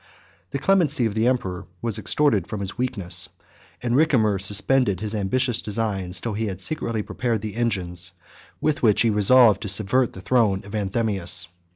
The clemency of the emperor was extorted from his weakness; and Ricimer suspended his ambitious designs till he had secretly prepared the engines with which he resolved to subvert the throne of Anthemius.